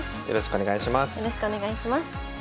よろしくお願いします。